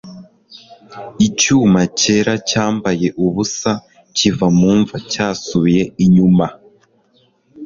icyuma cyera cyambaye ubusa kiva mu mva cyasubiye inyuma